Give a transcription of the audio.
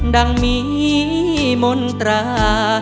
ดังมีมนตรา